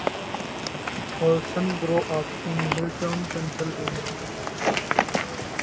Olsen grew up in Middletown, Pennsylvania.